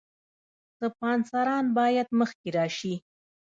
سپانسران باید مخکې راشي.